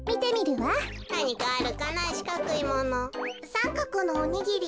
さんかくのおにぎり。